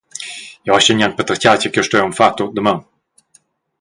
Jeu astgel gnanc patertgar tgei che jeu stoi aunc far tut damaun.